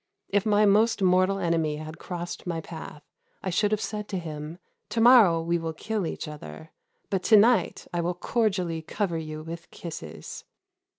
If my most mortal enemy had crossed my path, I should have said to him, To morrow we will kill each other, but to night I will cordially cover you with kisses.